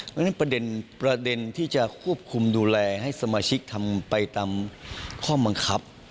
เพราะฉะนั้นประเด็นที่จะควบคุมดูแลให้สมาชิกทำไปตามข้อบังคับ